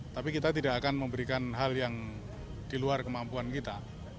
tapi kita tidak akan memberikan hal yang di luar kemampuan kita